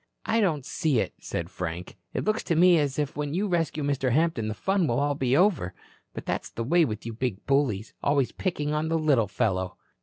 "I don't see it," said Frank. "It looks to me as if when you rescue Mr. Hampton the fun will all be over. But that's the way with you big bullies. Always picking on the little fellow."